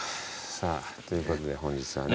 さぁということで本日はね